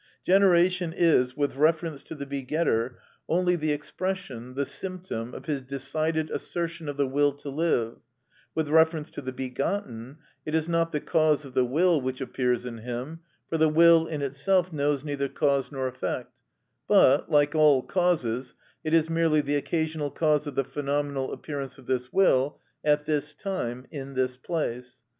Generation is, with reference to the begetter, only the expression, the symptom, of his decided assertion of the will to live: with reference to the begotten, it is not the cause of the will which appears in him, for the will in itself knows neither cause nor effect, but, like all causes, it is merely the occasional cause of the phenomenal appearance of this will at this time in this place.